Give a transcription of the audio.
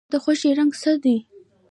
ستا د خوښې رنګ څه دی؟